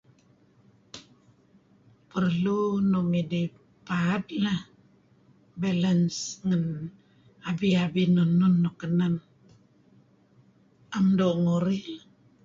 Perlu nuk midih paad lah, balance ngen abi-abi nun-nun nuk kenen lah, na'em doo' ngurih.